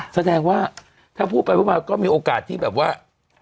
แสดงว่าถ้าพูดไปพูดมาก็มีโอกาสที่แบบว่า